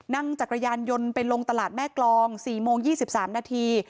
จักรยานยนต์ไปลงตลาดแม่กรอง๔โมง๒๓นาที